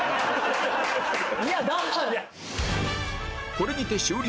これにて終了